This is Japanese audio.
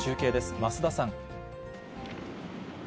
増田さん。